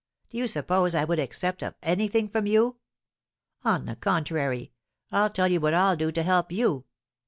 Do you suppose I would accept of anything from you? On the contrary, I'll tell you what I'll do to help you.